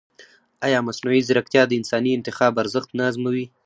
ایا مصنوعي ځیرکتیا د انساني انتخاب ارزښت نه ازموي؟